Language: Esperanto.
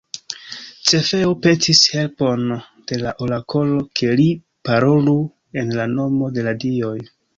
Cefeo petis helpon de orakolo, ke li parolu en la nomo de la dioj.